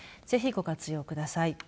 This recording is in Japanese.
ぜひ、ご活用ください。